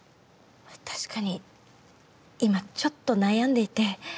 確かに今ちょっと悩んでいて。